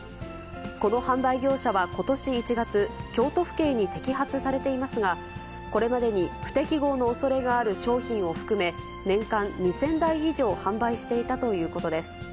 この販売業者はことし１月、京都府警に摘発されていますが、これまでに不適合のおそれがある商品を含め、年間２０００台以上販売していたということです。